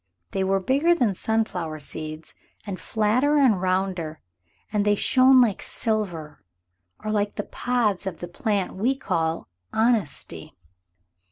They were bigger than sunflower seeds and flatter and rounder, and they shone like silver, or like the pods of the plant we call honesty.